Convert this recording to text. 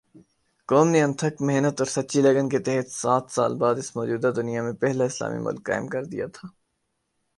قوم نے انتھک محنت اور سچی لگن کے تحت سات سال بعد اس موجودہ دنیا میں پہلا اسلامی ملک قائم کردیا تھا